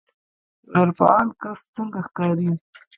غیر فعال کس څنګه ښکاري